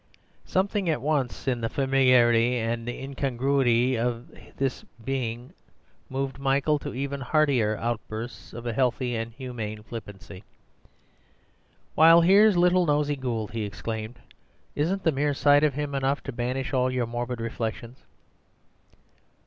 Something at once in the familiarity and the incongruity of this being moved Michael to even heartier outbursts of a healthy and humane flippancy. "Why, here's little Nosey Gould," he exclaimed. "Isn't the mere sight of him enough to banish all your morbid reflections?"